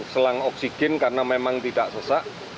selang oksigen karena memang tidak sesak